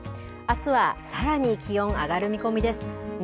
あすはさらに気温、上がる見込みです。